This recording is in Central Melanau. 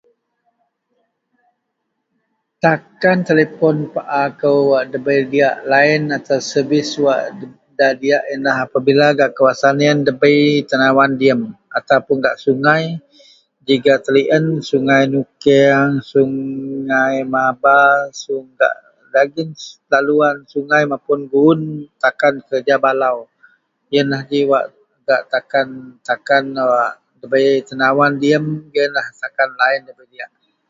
Takan telepon paa kou wak ndabei diyak laen atau servis wak nda diyak yenlah apabila gak kawasan yen ndabei tenawan diyem ataupun gak sungai ji gak Tellian, Sungai Nukeang Sungai Maba, sung..gak dagen laluan sungai mapun guwun takan kerja balau. Yenlah ji gak takan-takan wak ndabei tenawan diyem, yenlah takan laen ndabei diyak.